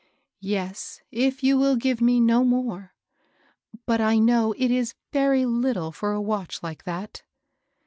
" Yes ; if you will give me no more. But I know it is very little for a watch like that."